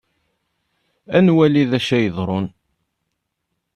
Ad nwali d acu ara yeḍṛun.